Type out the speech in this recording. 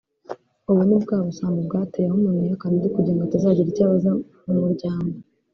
ubu ni bwa busambo bwateye aho umuntu yihakana undi kugira ngo atazagira icyo abaza mu muryango